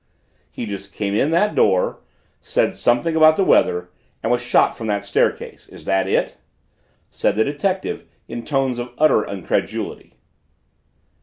"He just came in that door said something about the weather and was shot from that staircase. Is that it?" said the detective in tones of utter incredulity.